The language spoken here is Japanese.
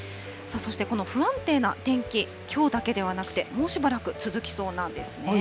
そしてこの不安定な天気、きょうだけではなくて、もうしばらく続きそうなんですね。